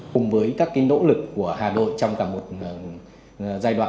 cùng với các nỗ lực của hà nội trong cả một giai đoạn